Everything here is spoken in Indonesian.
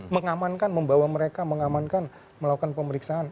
mengamankan membawa mereka mengamankan melakukan pemeriksaan